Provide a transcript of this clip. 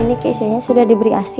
ini keisianya sudah diberi asin